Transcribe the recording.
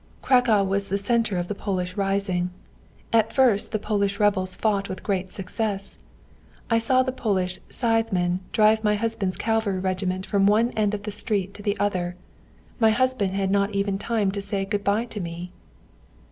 Cracow was the centre of the Polish rising. At first the Polish rebels fought with great success. I saw the Polish scythemen drive my husband's cavalry regiment from one end of the street to the other. My husband had not even time to say good bye to me.'